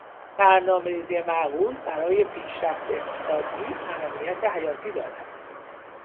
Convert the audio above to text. برنامهریزی معقول برای پیشرفت اقتصادی اهمیت حیاتی دارد.